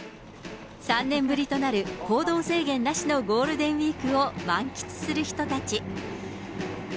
３年ぶりとなる、行動制限なしのゴールデンウィークを満喫する人たち。